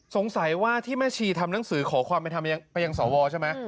สงสัยว่าที่แม่ชีทำหนังสือขอความเป็นธรรมไปยังสวใช่ไหม